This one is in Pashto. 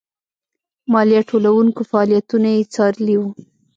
مالیه ټولوونکو فعالیتونه یې څارلي وو.